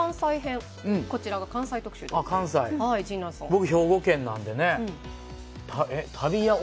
僕、兵庫県なんでね。